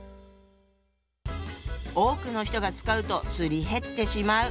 多くの人が使うとすり減ってしまう。